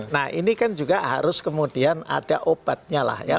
nah ini kan juga harus kemudian ada obatnya lah ya